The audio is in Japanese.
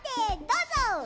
どうぞ！